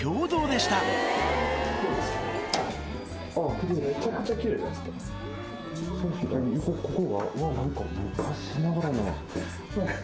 でここがうわっ何か昔ながらの。